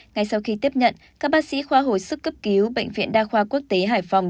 ngay sau khi tiếp nhận các bác sĩ khoa hồi sức cấp cứu bệnh viện đa khoa quốc tế hải phòng